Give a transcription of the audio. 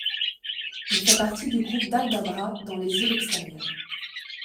Il fait partie du groupe d'Aldabra dans les îles Extérieures.